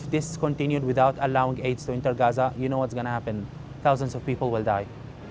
beribu ribu orang akan mati